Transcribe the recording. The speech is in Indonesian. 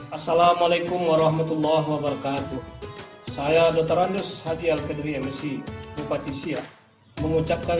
assalamualaikum warahmatullah wabarakatuh saya dr randus hadi al fadri msi bupati sia mengucapkan